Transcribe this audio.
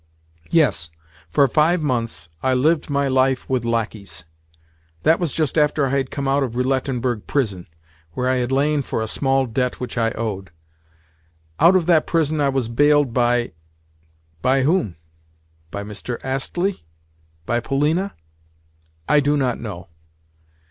Yes, for five months I lived my life with lacqueys! That was just after I had come out of Roulettenberg prison, where I had lain for a small debt which I owed. Out of that prison I was bailed by—by whom? By Mr. Astley? By Polina? I do not know.